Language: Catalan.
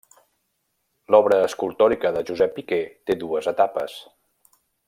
L'obra escultòrica de Josep Piqué té dues etapes.